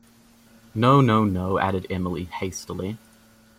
‘No, no, no,’ added Emily hastily.